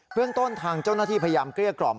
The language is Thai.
เรื่องต้นทางเจ้าหน้าที่พยายามเกลี้ยกล่อม